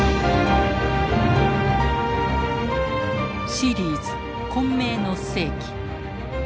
シリーズ「混迷の世紀」。